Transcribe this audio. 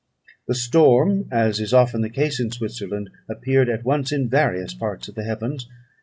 The storm, as is often the case in Switzerland, appeared at once in various parts of the heavens.